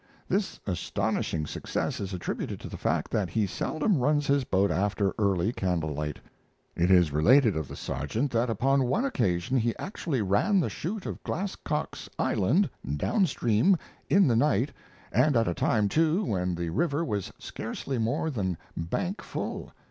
This astonishing success is attributed to the fact that he seldom runs his boat after early candle light. It is related of the Sergeant that upon one occasion he actually ran the chute of Glasscock's Island, down stream, in the night, and at a time, too, when the river was scarcely more than bank full.